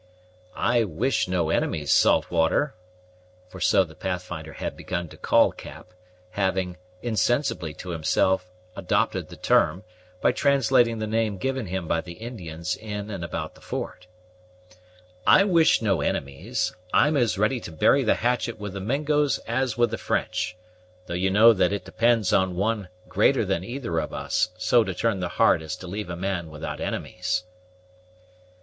"I wish no enemies, Saltwater," for so the Pathfinder had begun to call Cap, having, insensibly to himself, adopted the term, by translating the name given him by the Indians in and about the fort, "I wish no enemies. I'm as ready to bury the hatchet with the Mingos as with the French, though you know that it depends on One greater than either of us so to turn the heart as to leave a man without enemies."